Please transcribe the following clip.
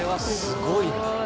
すごい。